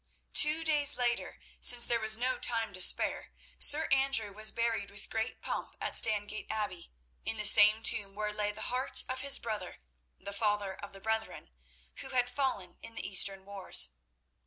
Two days later, since there was no time to spare, Sir Andrew was buried with great pomp at Stangate Abbey, in the same tomb where lay the heart of his brother, the father of the brethren, who had fallen in the Eastern wars.